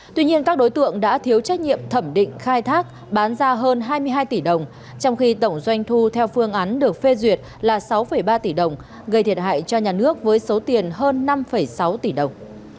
tuy nhiên các đối tượng đã thiếu trách nhiệm thẩm định khai thác bán ra hơn hai mươi hai tỷ đồng trong khi tổng doanh thu theo phương án được phê duyệt là sáu ba tỷ đồng gây thiệt hại cho nhà nước với số tiền hơn năm sáu tỷ đồng